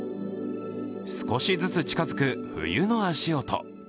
少しずつ近づく冬の足音。